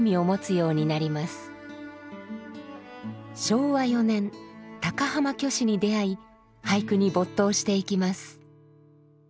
昭和４年高浜虚子に出会い俳句に没頭していきます。